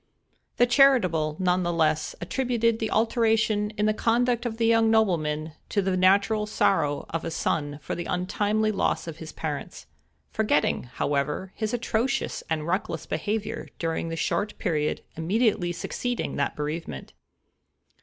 The charitable, nevertheless, attributed the alteration in the conduct of the young nobleman to the natural sorrow of a son for the untimely loss of his parents—forgetting, however, his atrocious and reckless behavior during the short period immediately succeeding that bereavement.